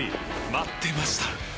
待ってました！